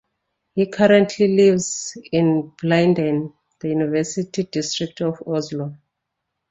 He currently lives in Blindern, the university district of Oslo.